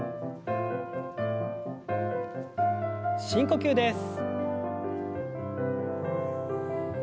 深呼吸です。